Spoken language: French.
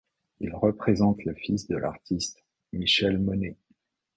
Il représente le fils de l'artiste, Michel Monet.